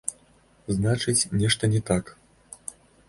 Значыць, нешта не так.